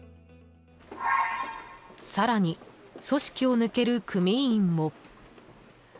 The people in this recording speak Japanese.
更に、組織を抜ける組員も。